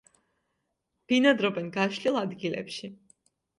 ბინადრობენ გაშლილ ადგილებში.